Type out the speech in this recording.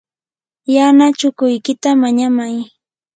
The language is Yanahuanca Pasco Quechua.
yana chukuykita mañamay.